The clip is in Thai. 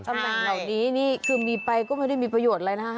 ตำแหน่งเหล่านี้นี่คือมีไปก็ไม่ได้มีประโยชน์อะไรนะฮะ